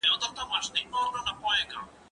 زه اجازه لرم چي کتابتون ته راشم!.